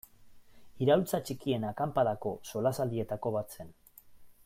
Iraultza Txikien Akanpadako solasaldietako bat zen.